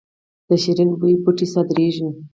د شیرین بویې بوټی صادریږي